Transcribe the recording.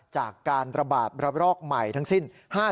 จากการระบาดระรอกใหม่ทั้งสิ้น